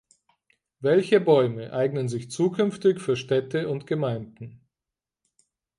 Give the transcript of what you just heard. Welche Bäume eignen sich zukünftig für Städte und Gemeinden?